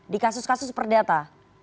di kasus kasus perdata